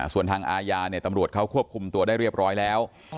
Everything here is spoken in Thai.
ส่วนทางอาญาตำรวจเขาควบคุมตัวได้เรียบร้อยแล้ว